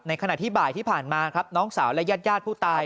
ขณะที่บ่ายที่ผ่านมาครับน้องสาวและญาติญาติผู้ตาย